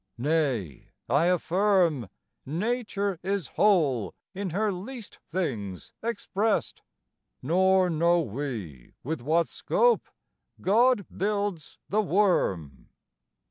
Nay, I affirm Nature is whole in her least things exprest, Nor know we with what scope God builds the worm.